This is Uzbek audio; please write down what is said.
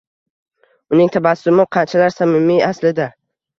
Uning tabassumi qanchalar samimiy aslida?